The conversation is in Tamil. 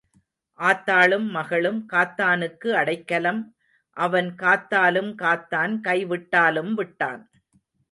ஆத்தாளும் மகளும் காத்தானுக்கு அடைக்கலம் அவன் காத்தாலும் காத்தான் கை விட்டாலும் விட்டான்.